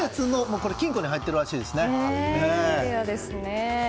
これは金庫に入っているらしいです。